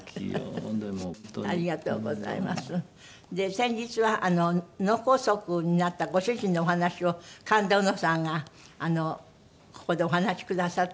先日は脳梗塞になったご主人のお話を神田うのさんがここでお話しくださって。